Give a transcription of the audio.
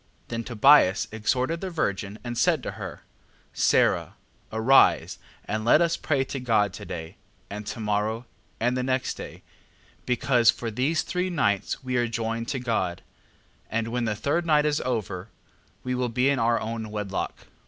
8:4. Then Tobias exhorted the virgin, and said to her: Sara, arise, and let us pray to God to day, and to morrow, and the next day: because for these three nights we are joined to God: and when the third night is over, we will be in our own wedlock.